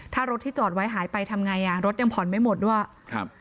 ถ้ารถที่จอดไว้หายไปทำไงอ่ะรถยังผ่อนไม่หมดด้วยครับ